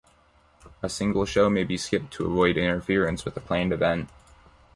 A single show may be skipped to avoid interference with a planned event.